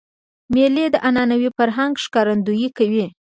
مېلې د عنعنوي فرهنګ ښکارندویي کوي.